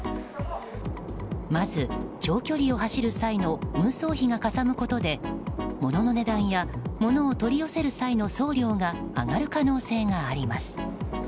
まず、長距離を走る際の運送費がかさむことで物の値段や物を取り寄せる際の送料が上がる可能性があります。